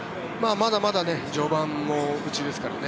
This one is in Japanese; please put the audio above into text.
まだまだ序盤のうちですからね。